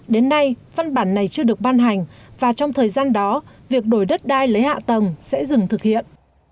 đến nay văn bản này chưa được ban hành và trong thời gian đó việc đổi đất đai lấy hạ tầng sẽ dừng thực hiện